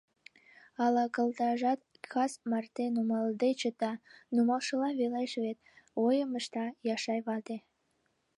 — Ала кылтажат кас марте нумалде чыта, нумалшылат велеш вет, — ойым ышта Яшай вате.